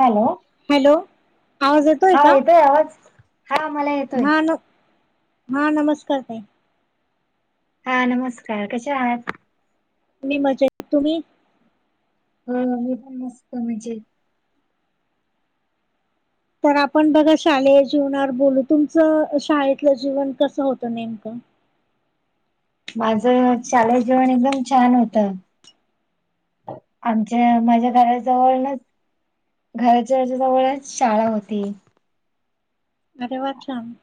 Hello hello आवाज हा येतोय आवाज हा मला येतोय हा न हा नमस्कार तई हा नमस्कार कसे आहात त् मजा तुम्ही हो मी पण मस्त म्हणजे तर आपण बघा शालेय जीवनावर बोलू तुमचं शाळेतलं जीवन कसं होतं नेमकं माझं शालेय जीवण एकदम छान होतं आमच्या माझ्या घराजवळच घराच्याच्या जवळच शाळा होती अरे वाछान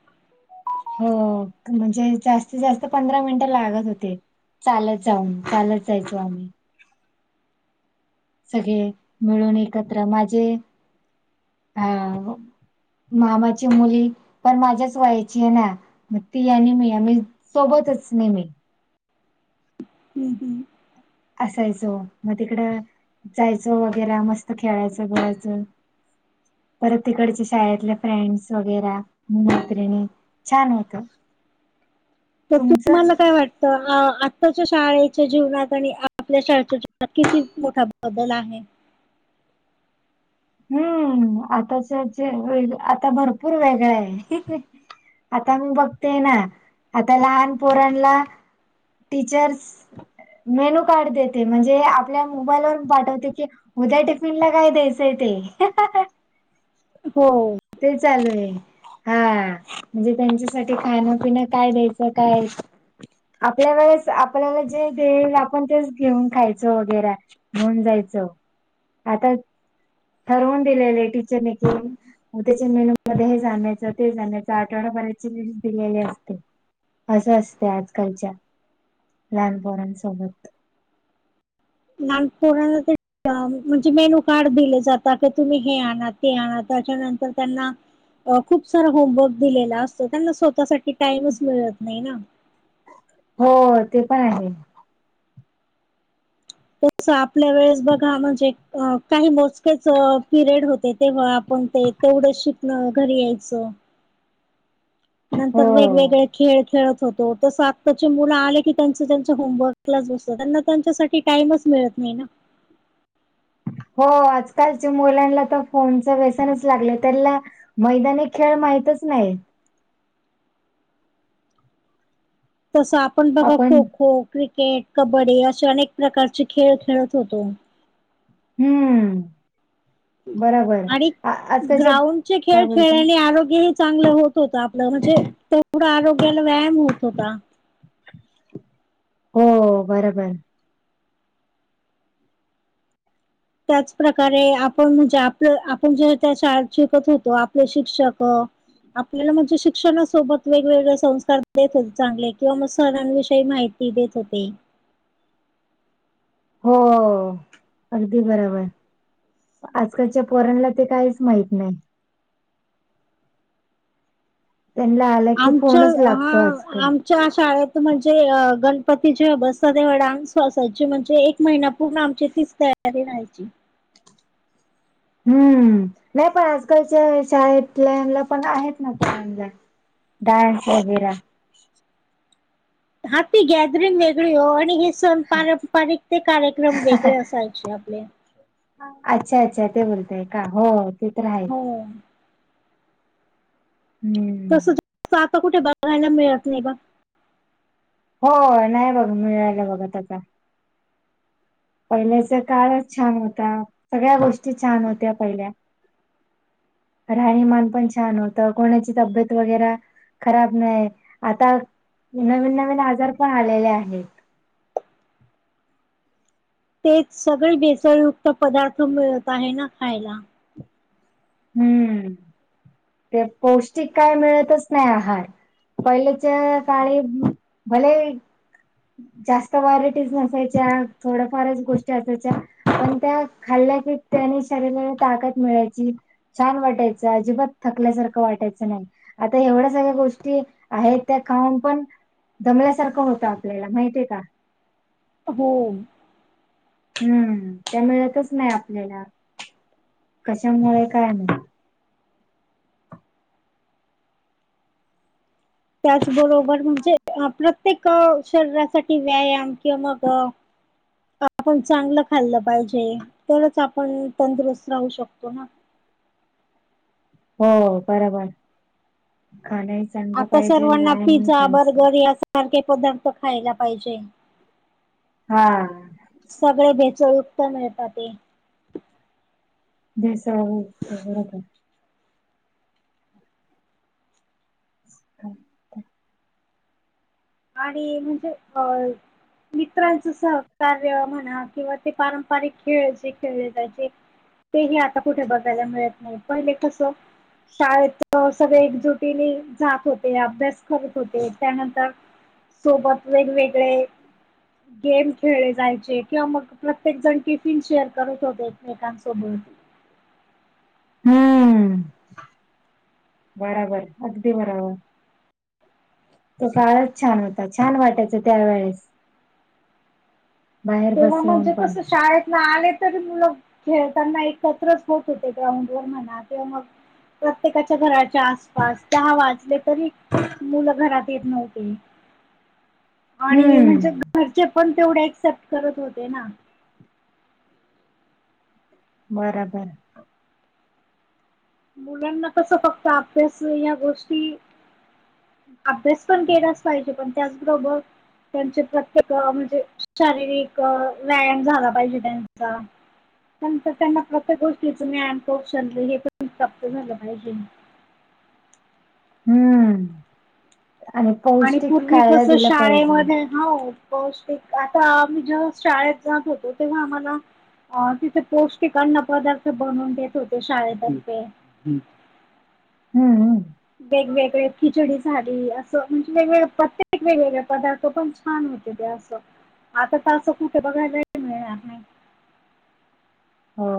हो म्हणजे जास्तीत जास्त पंधरा मिनिटं लागत होते चालच जाऊन चालत जायचो आम्ही सगळे मिळून एकत्र माझे अ मामाची मुली पण माझ्याच व्हायची आहे ना मग ती या नेहमी या मी सोबतच नेहमी हम्म हम् असायचो मग तिकडं जायचो वगैरे मस्त खेळायचं बोलायचं परत तिकडच्या शाळेतले फ्रेंड्स वगैर मैत्रिणी छानयेतो तर तुम्हाला काय वाटत तर आत्ताच्या शाळेच्या जीवनात आणि आपल्या शाळेच्या जीवनात किती मोठा बदल आहे हम्म आताच ज व आता भरपूर वेगळा आहे आता मी बघतेय ना आता लहान पोरणला टीचर्स मेन्यू कार्ड देते म्हणजे आपल्या मोबाईलवरून पाठवते की उद्या टिफिनला काय द्यायचं ते ते हो ते चालू आहे हा म्हणजे त्यांच्यासाठी खाण पिन काय द्यायचं काय आपल्या वेळेस आपल्याला जे देईल आपण तेच घेऊन खायचं वगैरे होऊन जायचं आता ठरवून दिलेले टीचरने के हो त्याच्या मेलू मध्ये हे जायचं ते जाायचं आठवडाभरची लस दिलेली असते असं असते आजकालच्या लहानपरांसोबत लहानपोणा ते म्हणजे मेन कारड दिले जातात की तुम्ही हे आणा ते आणा त्याच्यानंतर त्यांना अ खूप सारा होमवर्क दिलेला असतो त्यांना स्वतःसाठी टाइमच मिळत नाही ना हो ते पण आहे त आपल्या वेळेस बघा म्हणजे काही मोजक्याच पिरियड होते तेव्हा आपण ते तेवढं शिकणं घरी यायचं हो नंतर वेगवेगळे्या खेळ खेळत होतो तस आत्ताचे मुलं आले की त्यांच त्यांच होमवर्कलाच बसत त्यांना त्यांच्यासाठी टाईमच मिळत नाही ना हो आजकालच्या मुलांना तर फोनच व्यसनच लागले त्याला मैदानी खेळ माहतच नाही तसं आपण बघा खो खो क्रिकेट कबड्डी असे अनेक प्रकारचे खेळ खेळत होतो हम्म बरोबर आणि आजकालचे ग्राउंडचे काय खेळ बोलत खेळल्याने आरोग्य चांगलं होत होत आपलं म्हणजे तेथोडं आरोग्याला व्यायाम होत होता हो बरोबर त्याच प्र्रकारे आपण म्हणजे आपलं आपण जे त्या श शिकत होतो आपले शिक्षक आपल्याला म्हणजे शिक्षणासोबत वेगवेगळे संस्कार देत होते चांगले किंवा मग सरांविषयी माहिती देत होते हो अगदी बरोबर आजकालच्या पोरणला ते काहीच माहत नाही. [inaudible] त्यांला. आमच्या हा आम शाळेत म्हणजे अ गणपती जेव्हा बसतात तेव्हा डान्से म्हणजे एक महिना पूर्ण आमची ती तयारी राहायची हम्म नाही पण आजकालच्या शाळेतल्याला पण आहेत ना. डान्स वगैर. हाी गॅदरिंग वेगळी हो आणि. स पारंपरिक ते कार्यक्रम वेगळे असायचे आपले. अच्छा अच्छा ते बोलतय का हो ते तर राहायच. हो. हम्म तस आता कुठे बघायला मिळत नाही बाघ. हो नाही बघा मिळालं बघा त्याचा. पहिल्याचा काळच छान होता सगळ्या गोष्टी छान होत्या पहिल्या. राणीमान पण छान होतं कोणाची तब्येत वगैरे. खराब नाही आता नवीन नवीन आजार पण आलेले आहेत. तेच सगळे बेसळयुक्त पदार्थ मिळत आहे ना खायला. हम्म ते पौष्टिक काय मिळतच नाही आहार. पहिल्याच्या काळी भले. जास्त व्हरायटीज नसायच्या थोड्याफारच गोष्टी असायच्या पण त्या खाल्ल्या की. त्याने शरीराने ताकद मिळायची छान वाटायच अजिबात थकल्यासारखं वाटायचं नाही. आता एवढ्या सगळ्या गोष्टी आहेत त्या खाऊन पण दमल्यासारखं होतात. आपल्याला माहती आहे का. हो. हम्म त्या मिळतच नाही आपल्याला कशामुळे काय नाही. त्याचबरोबर म्हणजे प्रत्येक शरीरासाठी व्यायाम किंवा मग. आपण चांगलं खाल्लं पाहिजे तरच आपण तंदुरुस्त राहू शकतो ना. हो बरोबर खाण्या. आता सर्वांना पिझ्झा बर्गर यासारखे पदार्थ खायला पाहिजे. हा. सगळे बेचळयुक्त मिळतात ते. बीसगर का. अम् [unintelligible] आणि म्हणजे अ. मित्रांच सहकार्य म्हणा किंवा ते पारंपरिक खेळ जे खेळले त्याचे. तेही आता कुठे बघायला मिळत नाही पहिले कसं. शाळेत सगळे एकजुटीने जात होते अभ्यास करत होते त्यानंतर. सोबत वेगवेगळे. गेम खेळले जायचे किंवा मग प्रत्येक जण टिफिन शेअर करत होते एकमेकांसोबत. हम्म बराबर अगदी बरोबर. तो काळच छान होता छान वाटायचा त्यावेेळेस. बाहेर तेव्हा बसवून मगजे पण कस शाळेतला आले. मु खेळताना एकत्रच होत होते ग्राउंड वर म्हणा किंवा मग. प्रत्येकाच्या घराच्या. पाच दहा वाजले तरी मुलं घरात येत नव्हते आणि हम्म म्हणजे घरचे पण तेवढे ऍक्सेप्ट करत होते ना बराबर मुलांना कसं फक्त अभ्यास या गोष्टी अभ्यास पण केलाच पाहिजे पण त्याचबरोबर त्यांचे प्रत्येक म्हणजे शारीरिक व्यायाम झाला पाहिजे त्यांचा नंतर त्यांना प्रत्येक गोष्टीच मी अन क्नलं हे पण प्रप्त झालं पाहिजे हम्म आणि पौष्टिक पूर्वी खायला कसं दिलं पाहिजे शाळेमध्ये हो पौष्टिक आता आम्ही जेव्हा शाळेत जात होतो तेव्हा आम्हाला. अ तिथे पौष्टिक अन्न पदार्थ बनवून देत होते शाळेतर्फे. हम्म हम्. वेगवेगळे खिचडी झाली असं म्हणजे वेगवेगळ प्रत्येक वेगवेगळे पदार्थ पण छान होते ते असं आता तर असं कुठे बघायलाही मिळणार नाही हो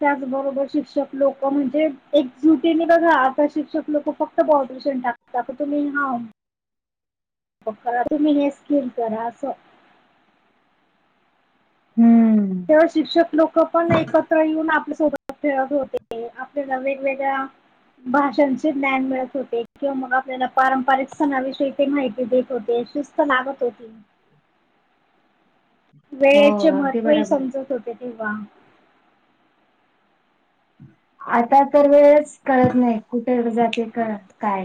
त्याचबरोबर शिक्षक लोक म्हणजे एक जुटीने बघा राता शिक्षक लोक फक्त बहपशन टाकत तर तुम्ही हा तुम्ही हे स्किम करा असं हम्म तेव शिक्षक लोक पण एकत्र येऊन आपल्यासोबत खेळत होते आपल्याला वेगवेगळ्या भाषांचे ज्ञान मिळत होते किंवा मग आपल्याला पारंपरिक सणाविषयी ते माहिती देत होते शिस्त लागत होती [inaudible] हो वेळेचे अगदी महत्त्व हे बराबर समजत होते तेव्हा आता तर वेळच कळत नाही कुठे जाते काय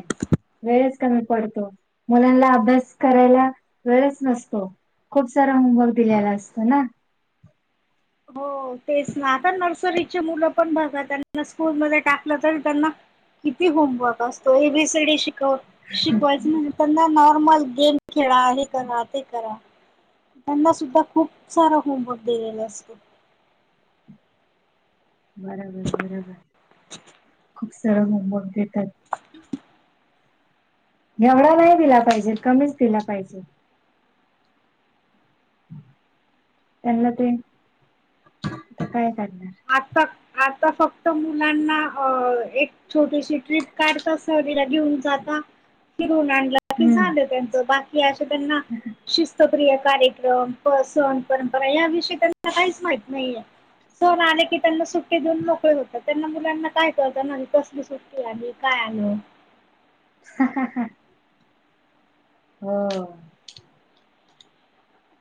वेळच कमी पडतो मुलांना अभ्यास करायला वेळच नसतो खूप सारा होमवर्क दिलेला असतं ना हो तेच ना आता नर्सरीचे मुलं पण बघा त्यांना स्कूलमध्ये टाकलं तरी त्यांना किती होमवर्क असतो एबीसीडी श शिकवायच म्हणजे त्यांना नॉर्मल गेम खेळा हे करा ते करा त्यांना सुद्धा खूप सारा होमवर्क दिलेलं असतो बरोबर बरोबर खूप सारा होमवर्क देतात एवढा नाही दिला पाहिजे कमीच दिला पाहिजे त्यांना ते आ काय काढणार आता आता फक्त मुलांना अ एक छोटीशी ट्रिप काढता सहरीला घेऊन जात फिरून आणला बाकी हम्म झालं त्यांचं बाकी असे त्यांना शिस्तप्रिय कार्यक्रम, सण परंपरा या विषयी त्यांना काहीच माहित नाहीये कोण आले की त्यांना सुट्टी देऊन मोकळे होतात त्यांना मुलांना काय कळतना कसली सुट्टी आली काय आलं हा हा हा हो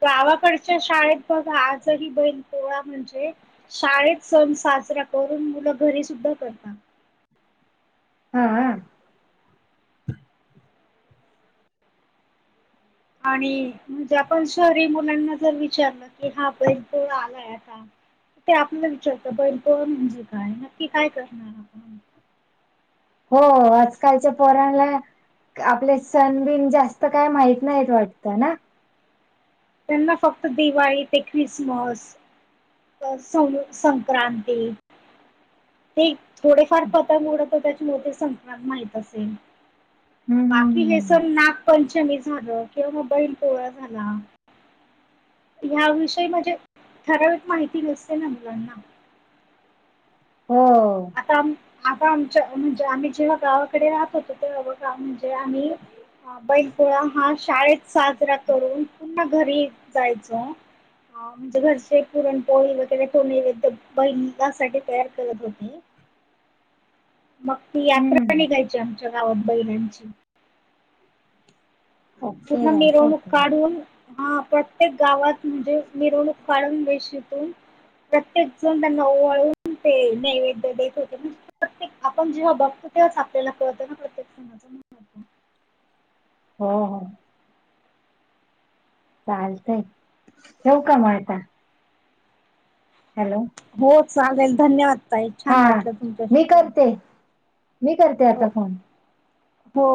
गावाकडच्या शाळेत बघा आजही बैल पोळा म्हणजे शाळेत सण साजरा करून मुलं घरी सुद्धा करतात हा आणि म्हणजे पण शहरी मुलांना जर विचारलं की हा बाईला पोळा आलाय आता, ते आपल्याला विचारत बनप म्हणजे काय नक्की काय करणार आपण हो आजकालच्या पोरनला आपले सण बिन जास्त काय माहित नाहीत वाटतं ना त्यांना फक्त दिवाळी ते ख्रिसमस सं संक्रांती ते थोडेफार पत मोडत त्याच्यामुळे संकात माहत असेल हम्म बाकी हे हम्म सण नागपंचमी झालं किंवा मग बैल पोळा झाला ह्याविषयी म्हणजे ठराविक माहिती नसते ना मुलांना हो आता आता आमच्या म्हणजे आम्ही जेव्हा गावाकडे राहत होतो तेव्हा गाव म्हणजे आम्ही हा बैलपोळा हा शाळेत साजरा करून पूर्ण घरी जायचो ह म्हणजे घरचे पुरणपोळी वगैरे ठेोणे व बहिलासाठी तयार करत होते मग ती यात्रा हम्म निघायची आमच्या गावात बैलांची ओके उठा असं मिरवणूक होतं काढून, हा प्रत्येक गावात म्हणजे मिरवणूक काढून प्रत्येक जण त्यांन ओवाळून ते नैवेद्य देत होते आपण जेव्हा बघतो तेव्हाच आपल्याला कळत ना प्रत्येक सणाचं महत्व. हो हो चालतंय ठेवू का मग आता? हॅलो हो चालेल धन्यवाद ताई. हा छान वाटलं तुमच्याशी मी प करते मी करते आता फोन हो